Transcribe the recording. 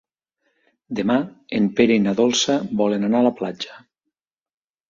Demà en Pere i na Dolça volen anar a la platja.